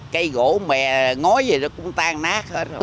cây gỗ mẹ ngói gì đó cũng tan nát hết rồi